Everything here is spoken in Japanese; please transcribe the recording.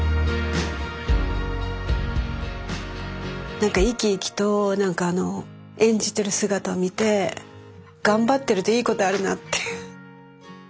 何か生き生きと何かあの演じてる姿を見て頑張ってるといいことあるなって。